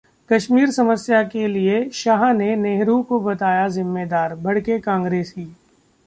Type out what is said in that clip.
कश्मीर समस्या के लिए शाह ने नेहरू को बताया जिम्मेदार, भड़के कांग्रेसी